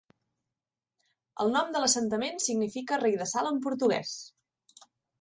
El nom de l'assentament significa "Rei de Sal" en portuguès.